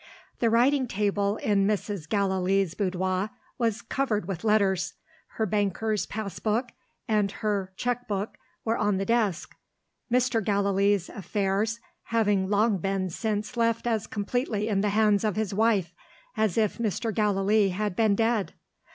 The writing table in Mrs. Gallilee's boudoir was covered with letters. Her banker's pass book and her cheque book were on the desk; Mr. Gallilee's affairs having been long since left as completely in the hands of his wife, as if Mr. Gallilee had been dead.